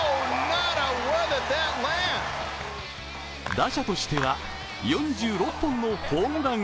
打者としては４６本のホームラン！